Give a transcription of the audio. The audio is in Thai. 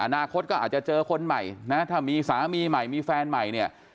อนาคตก็อาจจะเจอคนใหม่นะถ้ามีสามีใหม่มีแฟนใหม่เนี่ย